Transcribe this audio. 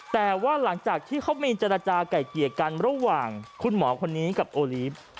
แต่ว่าหลังจากที่เขามีเจรจาไก่เกลี่ยกันระหว่างคุณหมอคนนี้กับโอลีฟ